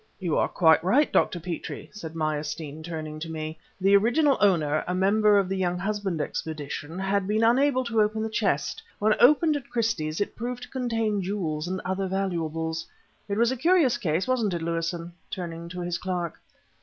"You are quite right, Dr. Petrie," said Meyerstein, turning to me. "The original owner, a member of the Younghusband Expedition, had been unable to open the chest. When opened at Christie's it proved to contain jewels and other valuables. It was a curious case, wasn't it, Lewison?" turning to his clerk.